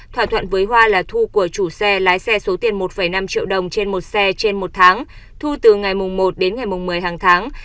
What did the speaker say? thỏa thuận với hoa là thu của chủ xe lái xe số tiền một năm triệu đồng trên một xe trên một tháng thu từ ngày một đến ngày một mươi hàng tháng